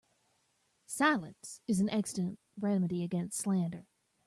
Silence is an excellent remedy against slander.